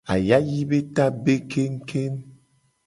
Ayayi be ta be kengu kengu.